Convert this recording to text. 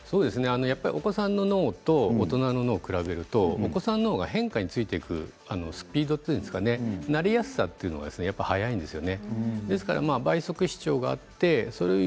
お子さんの脳と大人の脳を比べるとお子さんの方が変化についていくスピードというか慣れやすさというのが速いんですよね。